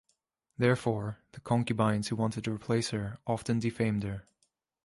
Therefore, the concubines who wanted to replace her often defamed her.